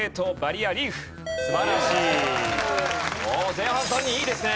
前半３人いいですね。